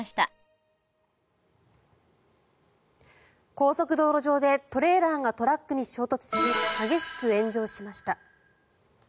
高速道路上でトレーラーがトラックに衝突し激しく炎上しました。